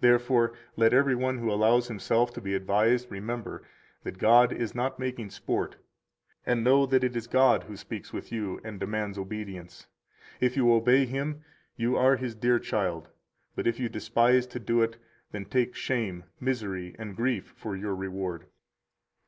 Therefore let every one who allows himself to be advised remember that God is not making sport, and know that it is God who speaks with you and demands obedience. If you obey Him, you are His dear child; but if you despise to do it, then take shame, misery, and grief for your reward.